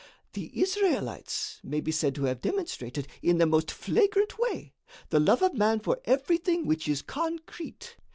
The Israelites may be said to have demonstrated, in the most flagrant way, the love of man for everything which is concrete.